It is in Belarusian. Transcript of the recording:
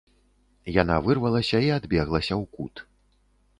Яна вырвалася і адбеглася ў кут.